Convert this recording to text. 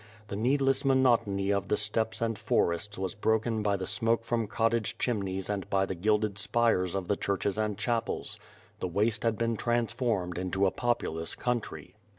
The needless monotony of the steppes and forest was broken by the smoke from cottage chimneys and by the gilded spires of the churches and chapels. The waste had been transformed into a populous country.